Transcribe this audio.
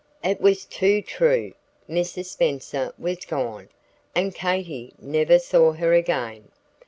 It was too true. Mrs. Spenser was gone, and Katy never saw her again.